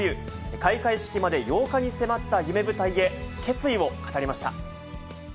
開会式まで８日に迫った夢舞台へ決意を語りました。